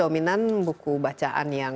minan buku bacaan yang